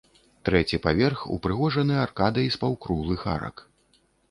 Трэці паверх упрыгожаны аркадай з паўкруглых арак.